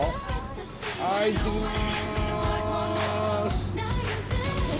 はい行ってきます。